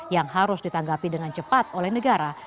yang harus ditanggapi dengan cepat oleh negara